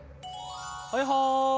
はいはい。